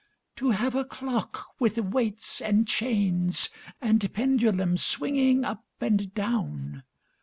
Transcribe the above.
To have a clock with weights and chains And pendulum swinging up and down!